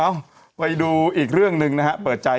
เอ่อไว้ดูอีกเรื่องหนึ่งนะครับ